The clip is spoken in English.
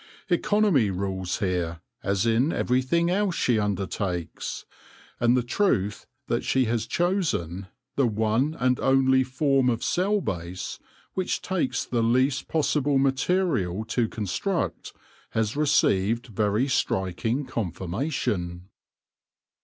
Economy rules here, as in everything else she undertakes ; and the truth that she has chosen the one and only form of cell base which takes the least possible material to con struct has received very striking confirmation.